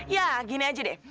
ya gini aja deh